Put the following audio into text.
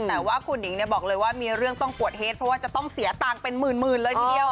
แต่ว่าคุณหนิงบอกเลยว่ามีเรื่องต้องปวดเฮดเพราะว่าจะต้องเสียตังค์เป็นหมื่นเลยทีเดียว